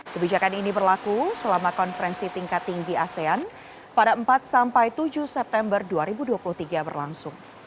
kebijakan ini berlaku selama konferensi tingkat tinggi asean pada empat sampai tujuh september dua ribu dua puluh tiga berlangsung